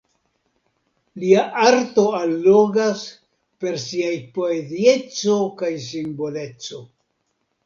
Lia arto allogas per siaj poezieco kaj simboleco.